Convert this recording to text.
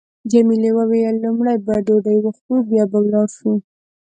جميلې وويل: لومړی به ډوډۍ وخورو بیا به ولاړ شو.